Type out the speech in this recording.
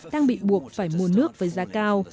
đang bị buộc phải mua nước với giá cao